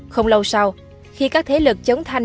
không lâu sau khi các thế lực chống thanh